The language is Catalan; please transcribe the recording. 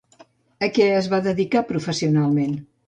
A què es va dedicar professionalment?